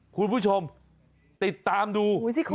คุณผู้ชมติดตามดู